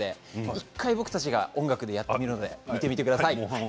１回僕たちがやってみるので見てみてください。